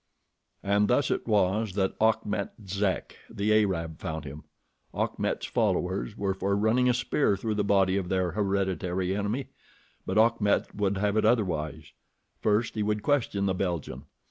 And thus it was that Achmet Zek, the Arab, found him. Achmet's followers were for running a spear through the body of their hereditary enemy; but Achmet would have it otherwise. First he would question the Belgian.